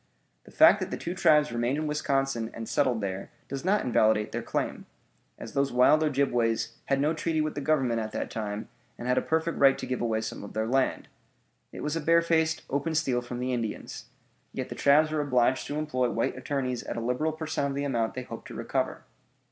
The fact that the two tribes remained in Wisconsin and settled there does not invalidate their claim, as those wild Ojibways had no treaty with the Government at that time and had a perfect right to give away some of their land. It was a barefaced, open steal from the Indians. Yet the tribes were obliged to employ white attorneys at a liberal per cent. of the amount they hoped to recover.